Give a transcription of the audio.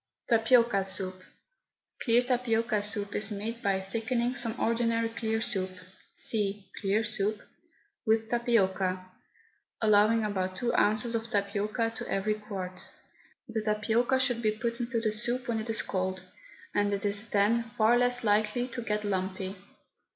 TAPIOCA SOUP. Clear tapioca soup is made by thickening some ordinary clear soup (see CLEAR SOUP) with tapioca, allowing about two ounces of tapioca to every quart. The tapioca should be put into the soup when it is cold, and it is then far less likely to get lumpy.